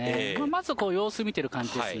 まず、様子を見ている感じです。